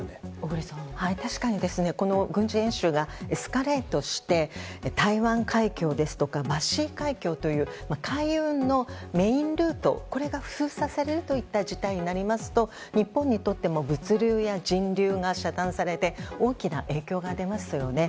確かに、この軍事演習がエスカレートして台湾海峡ですとかバシー海峡という海運のメインルート、これが封鎖されるという事態になりますと日本にとっても物流や人流が遮断されて大きな影響が出ますよね。